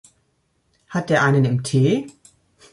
Hat der einen im Tee?